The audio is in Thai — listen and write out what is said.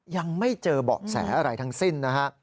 ยังไม่เจอเบาะแสอะไรทั้งสิ้นนะฮะ